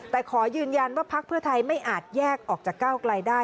แต่ขอยืนยันว่าพักเพื่อไทยไม่อาจแยกออกจากก้าวไกลได้